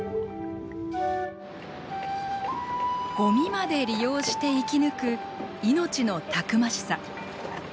ゴミまで利用して生き抜く命のたくましさ。